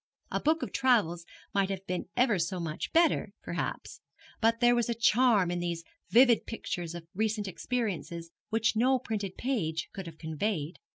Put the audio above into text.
A book of travels might have been ever so much better, perhaps; but there was a charm in these vivid pictures of recent experiences which no printed page could have conveyed.